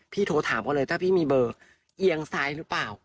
โทรถามเขาเลยถ้าพี่มีเบอร์เอียงซ้ายหรือเปล่า